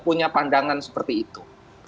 punya pandangan seperti itu